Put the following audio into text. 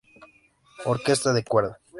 Orquesta de cuerda.